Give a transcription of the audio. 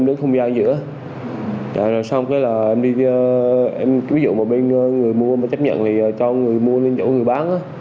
xong rồi là em đi ví dụ một bên người mua mà chấp nhận thì cho người mua đến chỗ người bán